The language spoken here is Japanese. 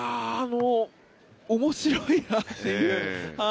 面白いなっていう。